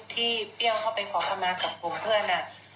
ที่เปรี้ยวเข้าไปขอเข้ามากับผู้เพื่อนน่ะ